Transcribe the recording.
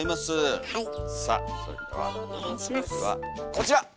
さあそれではこちら！